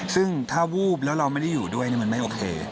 ซึ่งถ้าวูบแล้วเราไม่ได้อยู่ด้วยมันไม่โอเค